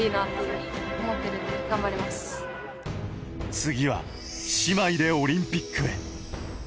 次は姉妹でオリンピックへ。